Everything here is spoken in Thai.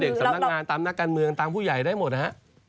สำนักงานตามนักการเมืองตามผู้ใหญ่ได้หมดนะฮะ